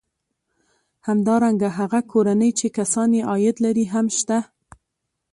همدارنګه هغه کورنۍ چې کسان یې عاید لري هم شته